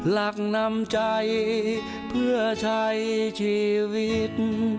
นำใจเพื่อใช้ชีวิต